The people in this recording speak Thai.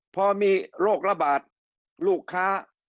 พอมีโรคระบาดลูกค้า